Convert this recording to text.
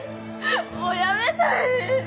もうやめたい。